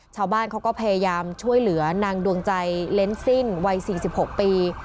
ชาวบ้านเขาก็พยายามช่วยเหลือนางดวงใจเล้นสิ้นวัย๔๖ปี